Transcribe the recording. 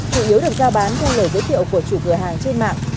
chủ yếu được giao bán theo lời giới thiệu của chủ cửa hàng trên mạng